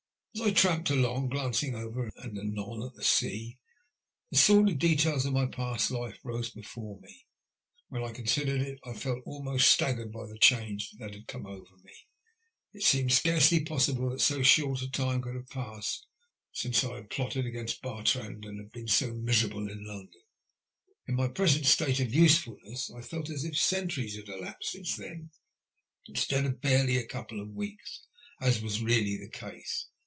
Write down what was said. As I tramped along, glancing ever and anon at the sea, the sordid details of my past life rose before me. When I eonsidered it, I felt almost staggered by the change that had come over me. It seemed scarcely possible that so short a time could have passed since I 170 THE LUST OF HATB. had plotted against Barirand and had been so miser able in London. In my present state of usefohiess, I felt as if centuries had elapsed since then, instead of barely a couple of weeks, as was really the case.